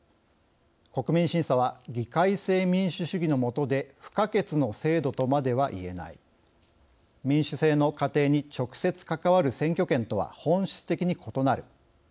「国民審査は議会制民主主義のもとで不可欠の制度とまでは言えない」「民主政の過程に直接関わる選挙権とは本質的に異なる」